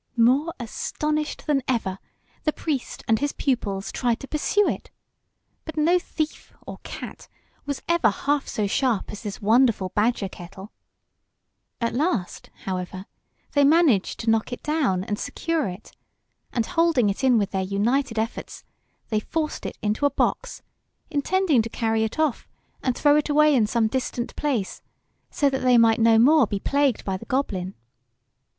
More astonished than ever, the priest and his pupils tried to pursue it; but no thief or cat was ever half so sharp as this wonderful badger kettle. At last, however, they managed to knock it down and secure it; and, holding it in with their united efforts, they forced it into a box, intending to carry it off and throw it away in some distant place, so that they might be no more plagued by the goblin.